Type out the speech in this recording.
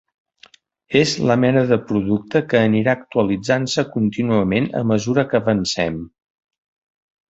És la mena de producte que anirà actualitzant-se contínuament a mesura que avancem.